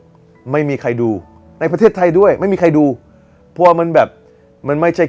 ครับพี่น้องคุณเป็นคนที่ถึงไม่เป็นเหมือนพี่น้อง